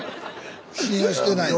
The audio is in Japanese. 信用してない。